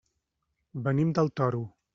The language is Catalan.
Venim del Toro.